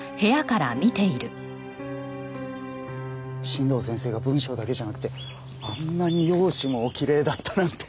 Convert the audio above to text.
新道先生が文章だけじゃなくてあんなに容姿もおきれいだったなんて！